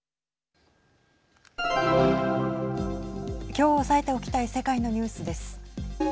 きょう、押さえておきたい世界のニュースです。